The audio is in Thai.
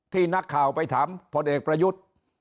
นักข่าวไปถามพลเอกประยุทธ์